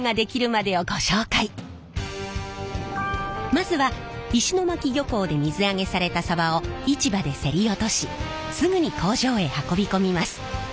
まずは石巻漁港で水揚げされたさばを市場で競り落としすぐに工場へ運び込みます。